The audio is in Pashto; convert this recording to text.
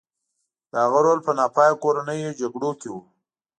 د هغه رول په ناپایه کورنیو جګړو کې و.